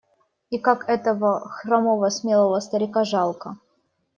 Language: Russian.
И как этого хромого смелого старика жалко!